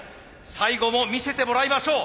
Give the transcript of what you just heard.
最後も見せてもらいましょう。